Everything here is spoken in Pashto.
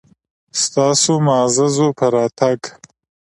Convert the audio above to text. ستاسو معززو په راتګ